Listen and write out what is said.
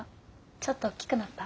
ちょっと大きくなった？